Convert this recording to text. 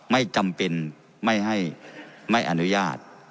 ไม่จำเป็นไม่อนุญาต